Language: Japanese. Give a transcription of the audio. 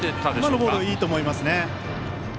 今のボールはいいと思いますね。